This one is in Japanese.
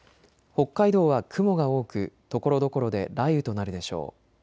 北海道は雲が多くところどころで雷雨となるでしょう。